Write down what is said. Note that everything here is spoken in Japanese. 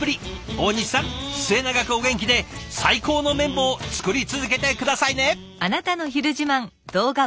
大西さん末永くお元気で最高の麺棒作り続けて下さいね！